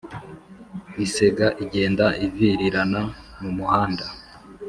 isega igenda ivirirana mumuhanda